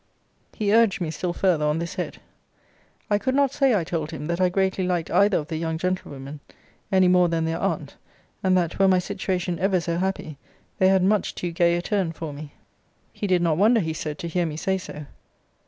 He urged me still farther on this head. I could not say, I told him, that I greatly liked either of the young gentlewomen, any more than their aunt: and that, were my situation ever so happy, they had much too gay a turn for me. He did not wonder, he said, to hear me say so.